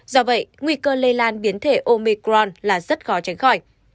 do vậy nguy cơ lây lan biến thể omicron là rất khó tránh khỏi